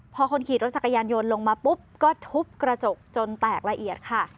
พอคนขี่รถจักรยานยนต์ลงมาปุ๊บก็ทุบกระจกจนแตกละเอียดค่ะ